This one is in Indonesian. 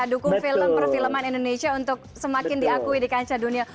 kita dukung film per filman indonesia untuk semakin diakui di kancah dunia